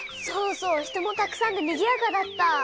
そうそう人もたくさんでにぎやかだった。